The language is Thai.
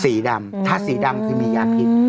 สีดำถ้าสีดำคือมียาพิษ